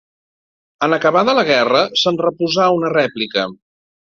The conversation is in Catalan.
En acabada la guerra, se'n reposà una rèplica.